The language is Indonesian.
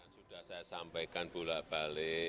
sudah saya sampaikan pulak balik